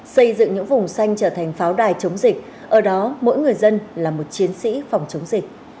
xây dựng những vùng xanh trở thành pháo đài chống dịch ở đó mỗi người dân là một chiến sĩ phòng chống dịch